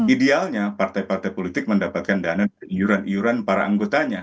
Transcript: idealnya partai partai politik mendapatkan dana dari iuran iuran para anggotanya